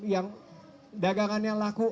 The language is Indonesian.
yang dagangannya laku